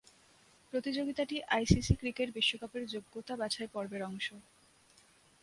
প্রতিযোগিতাটি ICC cricket বিশ্বকাপের যোগ্যতা বাছাইপর্বের অংশ।